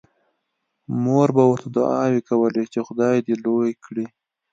مور به ورته دعاوې کولې چې خدای دې لوی کړي